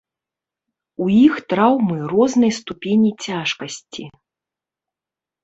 У іх траўмы рознай ступені цяжкасці.